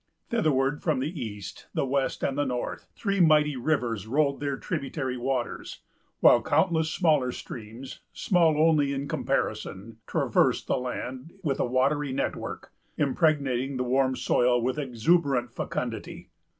Thitherward, from the east, the west, and the north, three mighty rivers rolled their tributary waters; while countless smaller streams——small only in comparison——traversed the land with a watery network, impregnating the warm soil with exuberant fecundity.